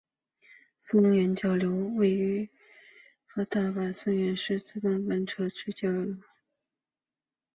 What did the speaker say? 松原交流道是位于大阪府松原市的阪和自动车道之交流道。